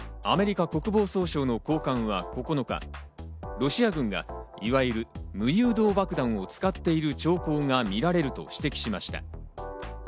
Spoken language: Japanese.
アメリカ国防総省の高官は９日、ロシア軍がいわゆる無誘導爆弾を使っている兆候が見られると指摘しました。